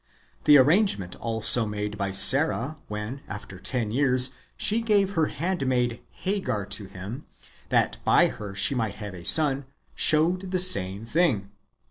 ^ The arrangement also made by Sarah when, after ten years, she gave ^ her handmaid Hagar to him, that by her he might have a son, showed the same thing.